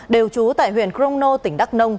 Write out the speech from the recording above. đều trú tại huyện crono tỉnh đắk nông